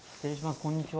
はいこんにちは。